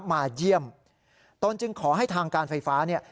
มาเยี่ยมตนจึงขอให้ทางการไฟฟ้าเนี่ย